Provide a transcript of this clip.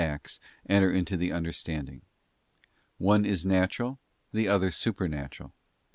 acts enter into the understanding: one is natural, the other supernatural.